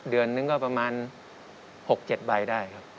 เดือนนึงก็ประมาณ๖๗ใบได้ครับ